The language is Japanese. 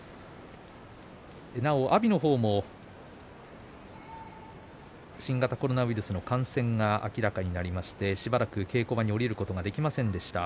なお、阿炎の方も新型コロナウイルスの感染が明らかになりましてしばらく稽古場に下りることができませんでした。